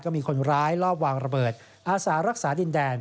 มีคนร้ายลอบวางระเบิดอาสารักษาดินแดน